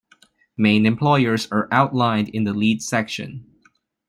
Main employers are outlined in the lead section.